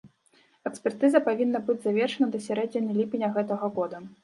Экспертызы павінны быць завершаны да сярэдзіны ліпеня гэтага года.